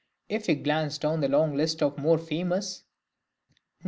If we glance down the long list of the more famous Nic.